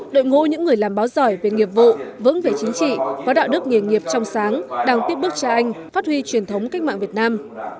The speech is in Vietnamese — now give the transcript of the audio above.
đội ngũ những người làm báo giỏi về nghiệp vụ vững về chính trị có đạo đức nghề nghiệp trong sáng đang tiếp bước cha anh phát huy truyền thống cách mạng việt nam